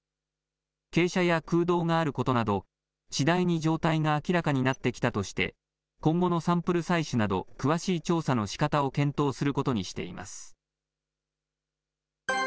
傾斜や空洞があることなど、次第に状態が明らかになってきたとして、今後のサンプル採取など、詳しい調査のしかたを検討することにしています。